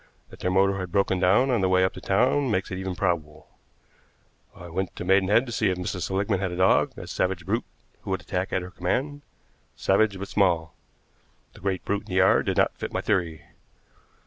That their motor had broken down on the way up to town makes it even probable. I went to Maidenhead to see if Mrs. Seligmann had a dog, a savage brute who would attack at her command, savage but small. The great brute in the yard did not fit my theory.